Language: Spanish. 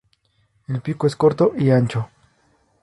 El pico es corto y ancho.